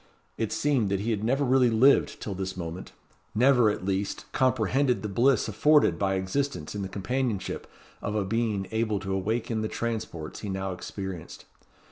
It seemed that he had never really lived till this moment; never, at least, comprehended the bliss afforded by existence in the companionship of a being able to awaken the transports he now experienced.